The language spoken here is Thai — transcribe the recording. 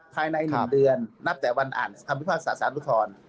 ภายใน๑เดือนนับแต่วันอ่านคำพิพากษาสารอุทธร